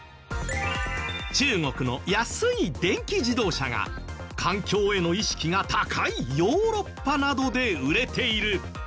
中国の安い電気自動車が環境への意識が高いヨーロッパなどで売れている。